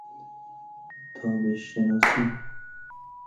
تابش شناسی